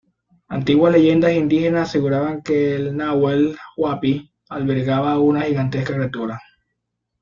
Antiguas leyendas indígenas aseguraban que el Nahuel Huapi albergaba a una gigantesca criatura.